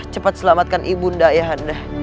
cepat selamatkan ibu unda ayah anda